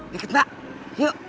deket mbak yuk